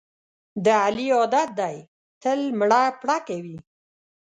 د علي عادت دی تل مړه پړه کوي.